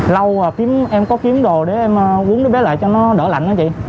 lâu rồi em có kiếm đồ để em uống đứa bé lại cho nó đỡ lạnh đó chị